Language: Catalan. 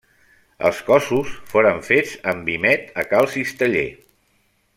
Els cossos foren fets amb vímet a Cal Cisteller.